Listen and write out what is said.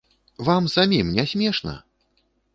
Вам самім не смешна?!